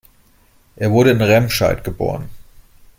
Er wurde in Remscheid geboren